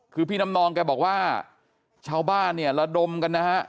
คือพี่น้ำนองแกบอกว่าชาวบ้านเนี่ยระดมกันนะฮะ